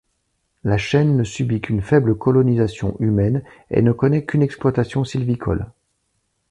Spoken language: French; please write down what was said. La chaîne ne subit qu'une faible colonisation humaine et ne connait qu'une exploitation sylvicole.